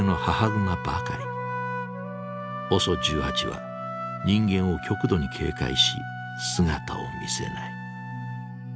ＯＳＯ１８は人間を極度に警戒し姿を見せない。